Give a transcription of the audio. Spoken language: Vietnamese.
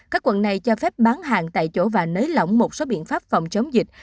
các quận này cho phép bán hàng tại chỗ và nới lỏng một số biện pháp phòng chống dịch